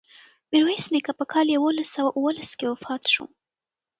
میرویس نیکه په کال یوولس سوه اوولس کې وفات شو.